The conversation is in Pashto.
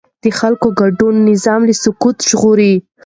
د خلکو ګډون نظام له سقوطه ژغوري